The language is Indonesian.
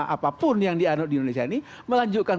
apapun yang dianut di indonesia ini melanjutkan